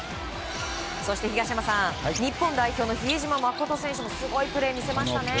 そして東山さん日本代表の比江島慎選手もすごいプレーを見せましたね。